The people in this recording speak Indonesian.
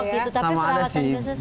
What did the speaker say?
sama ada sih